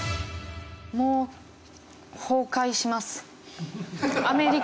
もう崩壊します。